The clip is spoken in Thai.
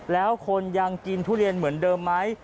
แล้วคนยังกินทุเรียนเหมือนเดิมไหม